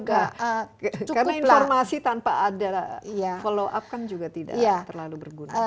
karena informasi tanpa ada follow up kan juga tidak terlalu berguna